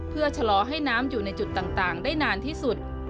เพื่อชะลอให้น้ำอยู่ในจุดต่างได้นานที่สุด